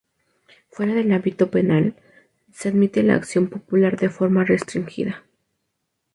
Fuera del ámbito penal, se admite la acción popular de forma restringida.